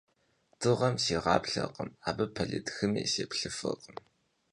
Дыгъэм сигъаплъэркъым, абы пэлыд хыми сеплъыфыркъым.